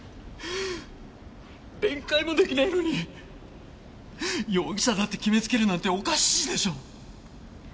弁解も出来ないのに容疑者だって決めつけるなんておかしいでしょう。